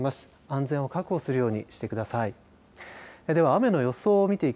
安全を確保するようにしてください。